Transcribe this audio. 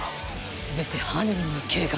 全て犯人の計画。